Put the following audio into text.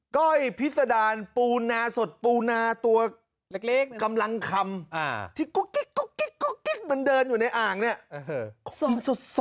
ก้อยพิษดารปูนาสดปูนาตัวเล็กกำลังคำที่กุ๊กกิ๊กมันเดินอยู่ในอ่างเนี่ย